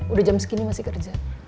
udah jam segini masih kerja